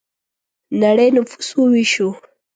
نړۍ نفوس وویشو.